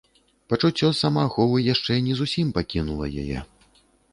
Пачуццё самааховы яшчэ не зусім пакінула яе.